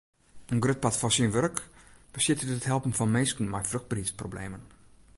In grut part fan syn wurk bestiet út it helpen fan minsken mei fruchtberheidsproblemen.